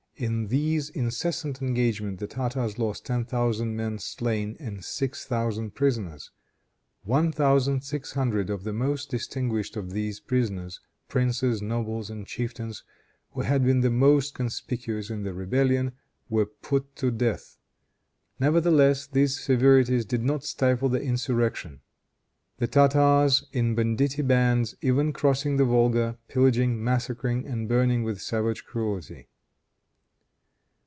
In these incessant engagements the Tartars lost ten thousand men slain and six thousand prisoners. One thousand six hundred of the most distinguished of these prisoners, princes, nobles and chieftains, who had been the most conspicuous in the rebellion, were put to death. Nevertheless these severities did not stifle the insurrection; the Tartars, in banditti bands, even crossing the Volga, pillaging, massacring and burning with savage cruelty.